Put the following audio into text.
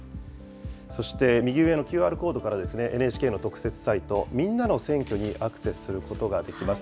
そして右上のＱＲコードから、ＮＨＫの特設サイト、みんなの選挙にアクセスすることができます。